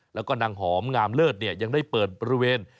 แล้วก็นางหอมงามเลิศยังได้เปิดบริเวณ